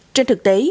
trên thực tế